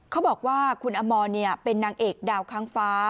เขาบอกว่าคุณอมรเป็นนางเอกดาวค้างฟ้า